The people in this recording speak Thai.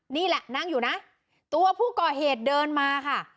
นี่แหละนั่งอยู่นะตัวผู้ก่อเหตุเดินมาค่ะ